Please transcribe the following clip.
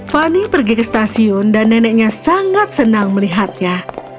fani pergi ke stasiun dan neneknya sangat senang melihatnya